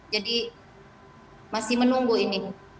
jadi masih menunggu ini